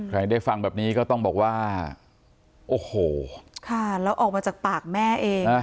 ได้ฟังแบบนี้ก็ต้องบอกว่าโอ้โหค่ะแล้วออกมาจากปากแม่เอง